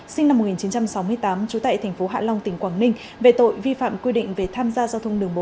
sinh năm một nghìn chín trăm sáu mươi tám trú tại thành phố hạ long tỉnh quảng ninh về tội vi phạm quy định về tham gia giao thông đường bộ